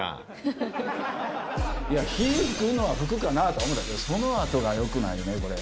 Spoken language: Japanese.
いや、火噴くのは噴くかなと思ったけど、そのあとがよくないよね、これ。